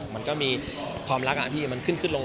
มันก็มีความรักพี่มันขึ้นขึ้นลง